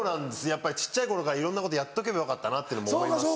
やっぱり小っちゃい頃からいろんなことやっとけばよかったなって思いますし。